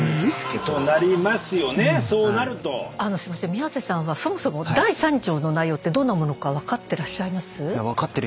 宮世さんはそもそも第３条の内容ってどんなものか分かってらっしゃいます？